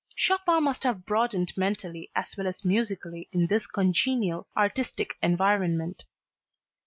Chopin must have broadened mentally as well as musically in this congenial, artistic environment.